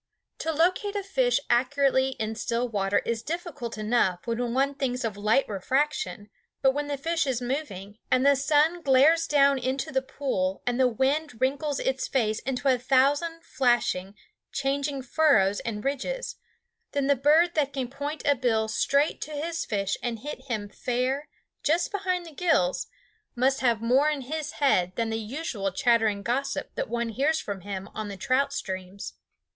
To locate a fish accurately in still water is difficult enough when one thinks of light refraction; but when the fish is moving, and the sun glares down into the pool and the wind wrinkles its face into a thousand flashing, changing furrows and ridges, then the bird that can point a bill straight to his fish and hit him fair just behind the gills must have more in his head than the usual chattering gossip that one hears from him on the trout streams.